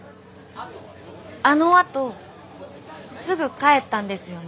あのあとすぐ帰ったんですよね？